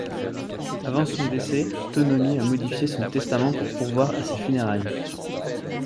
Avant son décès, Tononi a modifié son testament pour pourvoir à ses funérailles.